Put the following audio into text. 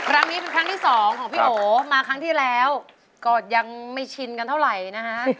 ครั้งนี้เป็นครั้งที่สองของพี่โอมาครั้งที่แล้วก็ยังไม่ชินกันเท่าไหร่นะฮะ